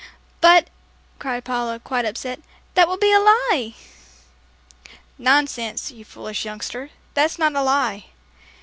"But," cried Paula, quite upset, "that would be a lie!" "Nonsense, you foolish youngster, that's not a lie.